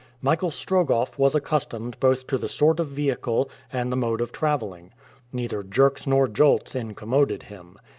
Michael Strogoff was accustomed both to the sort of vehicle and the mode of traveling. Neither jerks nor jolts incommoded him.